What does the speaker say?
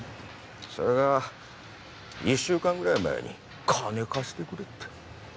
それが１週間ぐらい前に金貸してくれって。